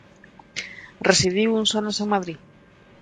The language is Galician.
Residiu uns anos en Madrid.